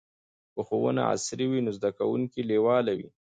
که ښوونه عصري وي نو زده کوونکي لیواله وي.